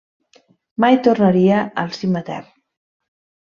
Mai tornaria al si matern.